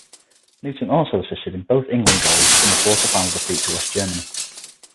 Newton also assisted in both England goals in the Quarter-Final defeat to West Germany.